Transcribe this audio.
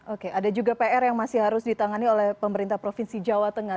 oke ada juga pr yang masih harus ditangani oleh pemerintah provinsi jawa tengah